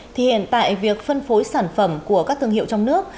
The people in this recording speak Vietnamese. thì hiện tại việc phân phối sản phẩm của các thương hiệu trong nước